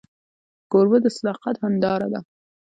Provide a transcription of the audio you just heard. کوربه د صداقت هنداره ده.